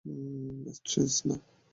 Strange, না!